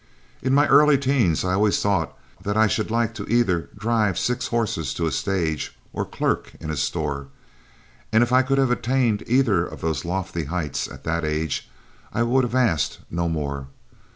In my early teens, I always thought I should like either to drive six horses to a stage or clerk in a store, and if I could have attained either of those lofty heights, at that age, I would have asked no more.